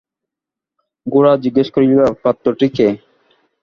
গোরা জিজ্ঞাসা করিল, পাত্রটি কে?